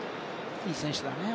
いい選手だね。